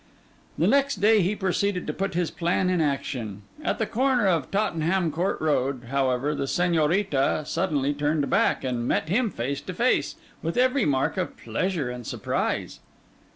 The next day he proceeded to put his plan in action. At the corner of Tottenham Court Road, however, the Señorita suddenly turned back, and met him face to face, with every mark of pleasure and surprise.